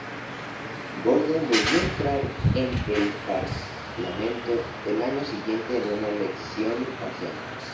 Borden volvió a entrar en el parlamento el año siguiente en una elección parcial.